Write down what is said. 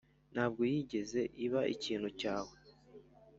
ntabwo yigeze iba ikintu cyawe.